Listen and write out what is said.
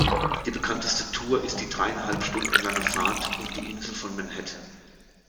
Die bekannteste Tour ist die dreieinhalb Stunden lange Fahrt um die Insel von Manhattan.